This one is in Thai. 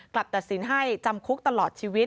ตัดสินให้จำคุกตลอดชีวิต